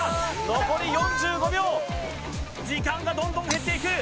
残り４５秒時間がどんどん減っていく。